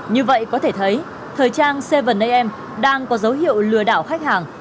như vậy có thể thấy thời trang seven am đang có dấu hiệu lừa đảo khách hàng